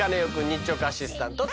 日直アシスタント